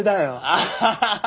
アッハハハ。